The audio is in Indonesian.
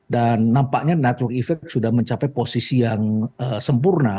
dan nampaknya network effect sudah mencapai posisi yang sempurna